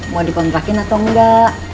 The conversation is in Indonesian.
mau dipengrakin atau enggak